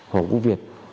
hồng vũ việt